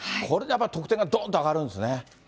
これでやっぱり得点がどーんと上がるんですね。